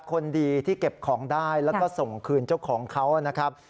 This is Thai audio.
คนดีที่เก็บของได้แล้วก็ส่งคืนเจ้าของเขานะครับ